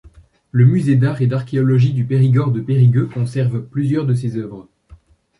Le musée d'art et d'archéologie du Périgord de Périgueux conserve plusieurs de ses œuvres.